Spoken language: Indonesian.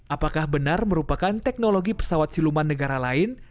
apakah benar merupakan teknologi pesawat siluman negara lain